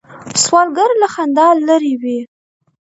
سوالګر له خندا لرې وي